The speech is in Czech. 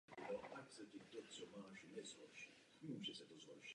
Šlo o součást širší operace s označením "Himmler".